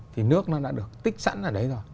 thì nước đã được tích sẵn ở đấy rồi